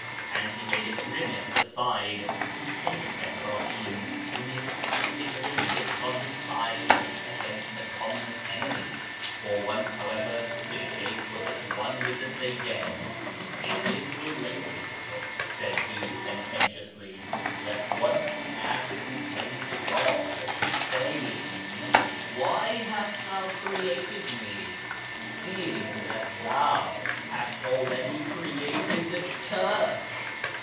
And he made a grimace aside to Sheykh Ibrahim, whom he expected to enlist on his side against the common enemy. For once, however, the Sheykh was at one with the Seyyid. " It is related," said he, sententiously, " that once the ass complained to God, saying, ' Why hast Thou created me, seeing that Thou hast already created the Turk